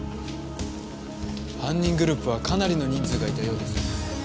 犯人グループはかなりの人数がいたようですね。